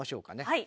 はい。